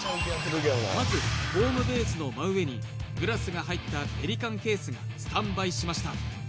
まずホームベースの真上にグラスが入ったペリカンケースがスタンバイしました